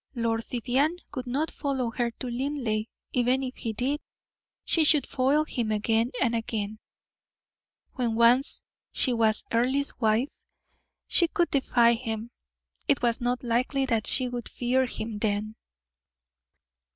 Lord Vivianne would not follow her to Linleigh; even if he did, she could foil him again and again. When once she was Earle's wife, she could defy him; it was not likely that she would fear him then.